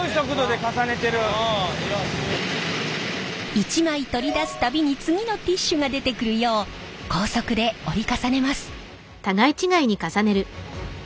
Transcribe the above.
１枚取り出す度に次のティッシュが出てくるよう高速で折り重ねます。